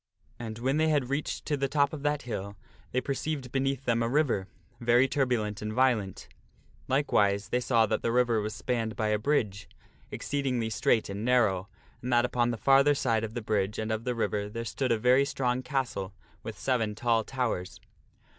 And when they had reached to the top of that hill they perceived beneath them a river, very turbulent and violent. _, Likewise they saw that the river was spanned by a bridge, tkt castle of the exceedingly straight and narrow, and that upon the farther Red Kni s ht side of the bridge and of the river there stood a very strong castle with seven tall towers.